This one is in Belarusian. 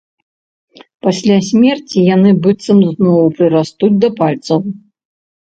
Пасля смерці яны быццам зноў прырастуць да пальцаў.